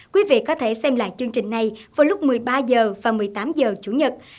quý vị có thể xem lại chương trình này vào lúc một mươi ba h và một mươi tám h chủ nhật